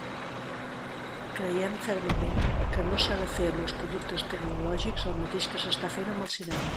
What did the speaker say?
Creiem, fermament, que no s'ha de fer amb els productes tecnològics el mateix que s'està fent amb el cinema.